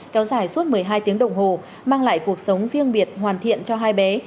kéo dài suốt một mươi hai tiếng đồng hồ mang lại cuộc sống riêng biệt hoàn thiện cho hai bé